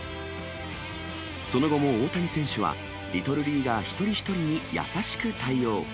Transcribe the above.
その後も大谷選手は、リトルリーガー一人一人に優しく対応。